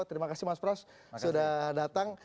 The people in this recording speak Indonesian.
terima kasih mas pras sudah datang